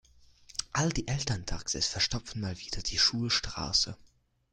All die Elterntaxis verstopfen mal wieder die Schulstraße.